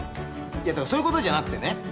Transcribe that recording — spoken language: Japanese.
いやだからそういうことじゃなくてね。